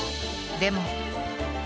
［でも］